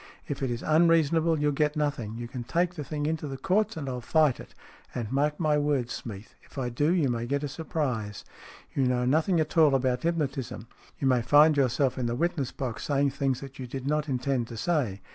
If it is unreasonable, you'll get nothing. You can take the thing into the Courts, and I'll fight it. And, mark my words, Smeath. If I do, you may get a surprise. You know nothing at all about hypnotism. You may find yourself in the witness box saying things that you did not intend to say.